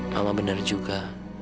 mama benar juga